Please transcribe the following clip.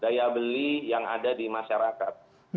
daya beli yang ada di masyarakat